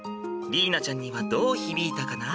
莉依菜ちゃんにはどう響いたかな？